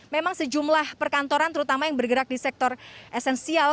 memang sejumlah perkantoran terutama yang bergerak di sektor esensial